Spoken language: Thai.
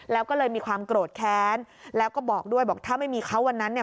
แล้วก็เลยมีความโกรธแค้นแล้วก็บอกด้วยบอกถ้าไม่มีเขาวันนั้นเนี่ย